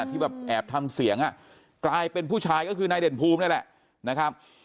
ที่แบบแอบทำเสียงอ่ะกลายเป็นผู้ชายก็คือนายเด่นภูมินี่แหละนะครับ